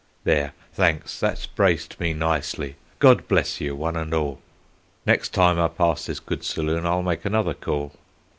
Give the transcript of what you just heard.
"There, thanks, that's braced me nicely; God bless you one and all; Next time I pass this good saloon I'll make another call.